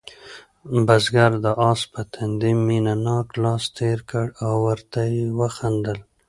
بزګر د آس په تندي مینه ناک لاس تېر کړ او ورته ویې خندل.